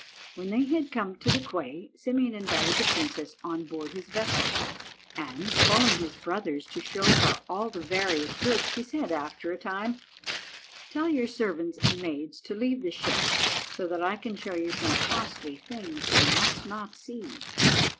When they had come to the quay, Simeon invited the princess on board his vessel, and, calling his brothers to show her all the various goods, he said, after a time— "Tell your servants and maids to leave the ship so that I can show you some costly things they must not see."